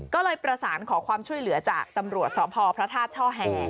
ก็เลยประสานขอความช่วยเหลือจากตำรวจสพพระธาตุช่อแห่